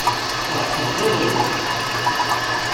Tεeṭṭleḍ iḍelli.